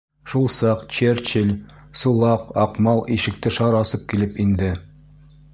Шул саҡ Черчилль, Сулаҡ, Аҡмал ишекте шар асып килеп инде.